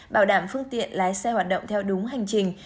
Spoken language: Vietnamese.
bảo đảm phương tiện lái xe hoạt động theo đúng hành trình